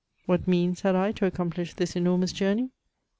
What means had I to accomplish this enormous journey?